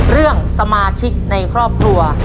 เรื่องสมาชิกในครอบครัว